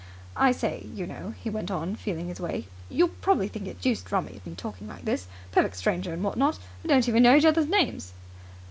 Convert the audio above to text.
"I say, you know," he went on, feeling his way, "you'll probably think it deuced rummy of me talking like this. Perfect stranger and what not. Don't even know each other's names."